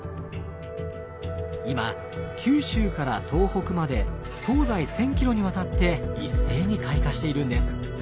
今九州から東北まで東西１，０００ｋｍにわたって一斉に開花しているんです。